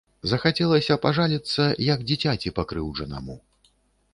Захацелася пажаліцца, як дзіцяці пакрыўджанаму.